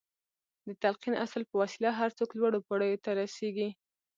د تلقين اصل په وسيله هر څوک لوړو پوړيو ته رسېږي.